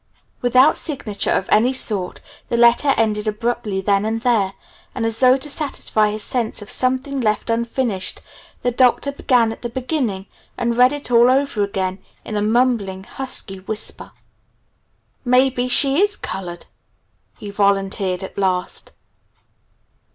Without signature of any sort, the letter ended abruptly then and there, and as though to satisfy his sense of something left unfinished, the Doctor began at the beginning and read it all over again in a mumbling, husky whisper. "Maybe she is 'colored'," he volunteered at last.